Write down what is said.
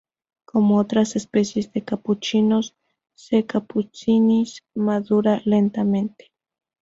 Como otras especies de capuchinos, "C.capucinus" madura lentamente.